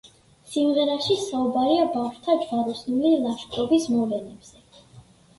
სიმღერაში საუბარია ბავშვთა ჯვაროსნული ლაშქრობის მოვლენებზე.